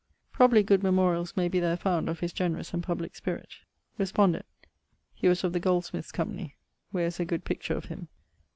Probably good memorialls may be there found of his generous and publique spirit. Respondet: He was of the Goldsmiths' Company, where is a good picture of him.